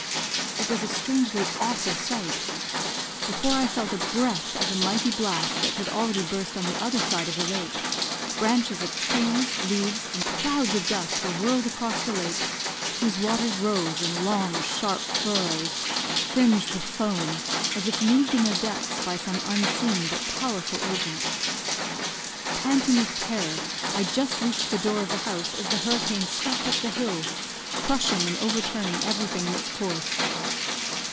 It was a strangely awful sight. Before I felt a breath of the mighty blast that had already burst on the other side of the lake, branches of trees, leaves, and clouds of dust were whirled across the lake, whose waters rose in long sharp furrows, fringed with foam, as if moved in their depths by some unseen but powerful agent. Panting with terror, I just reached the door of the house as the hurricane swept up the hill, crushing and overturning everything in its course.